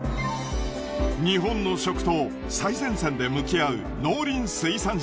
日本の食と最前線で向き合う。